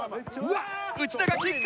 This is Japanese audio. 内田がキック！